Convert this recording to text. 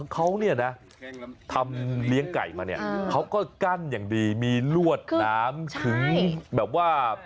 เขาเนี่ยนะทำเลี้ยงไก่มาเนี่ยเขาก็กั้นอย่างดีมีลวดน้ำถึงแบบว่า